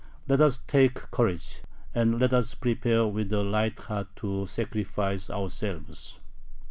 "Let us take courage, and let us prepare with a light heart to sacrifice ourselves.